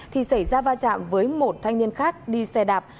thì xảy ra va chạm với một thanh niên khác đi xe đạp